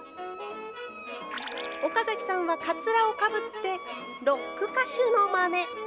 岡崎さんはかつらをかぶってロック歌手のまね。